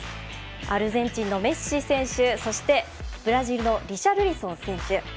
アルゼンチンのメッシ選手そしてブラジルのリシャルリソン選手。